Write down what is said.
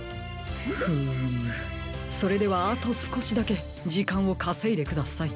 フームそれではあとすこしだけじかんをかせいでください。